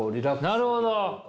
なるほど！